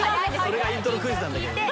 それがイントロクイズなんだけどね。